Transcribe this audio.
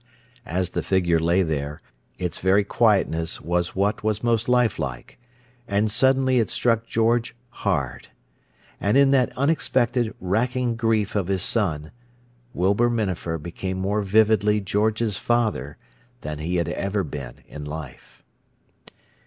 As the figure lay there, its very quietness was what was most lifelike; and suddenly it struck George hard. And in that unexpected, racking grief of his son, Wilbur Minafer became more vividly George's father than he had ever been in life.